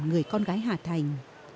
người con gái hà thành